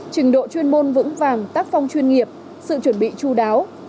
trình độ chuyên môn vững vàng tác phong chuyên nghiệp sự chuẩn bị chú đáo